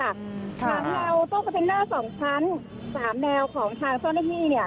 สามแนวตู้คอนเทนเนอร์สองชั้นสามแนวของทางเจ้าหน้าที่เนี่ย